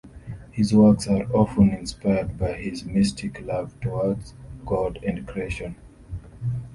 His works are often inspired by his mystic love towards God and Creation.